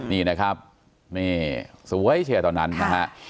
นี่นะครับนี่สวยเชียร์ตอนนั้นนะฮะ